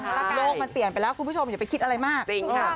โลกมันเปลี่ยนไปแล้วคุณผู้ชมอย่าไปคิดอะไรมากจริงค่ะ